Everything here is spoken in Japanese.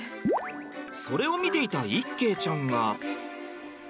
それを見ていた一慶ちゃんが。